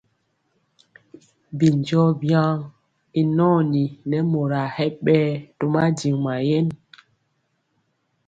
Binjɔɔ byaŋ i nɔɔni nɛ moraa hɛ ɓɛɛ to madiŋ mayen.